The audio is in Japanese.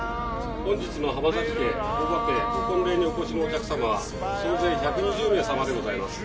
本日の濱崎家大庭家ご婚礼にお越しのお客さまは総勢１２０名さまでございます。